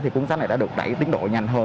thì cuốn sách này đã được đẩy tiến độ nhanh hơn